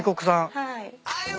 はい。